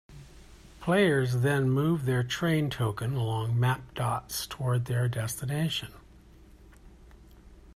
Players then move their train token along map dots toward their destination.